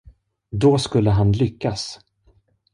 Då skulle han lyckas.